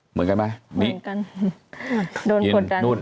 เหมือนกันไหม